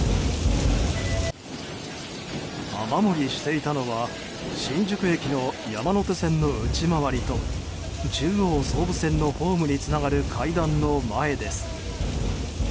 雨漏りしていたのは新宿駅の山手線内回りと中央総武線のホームにつながる階段の前です。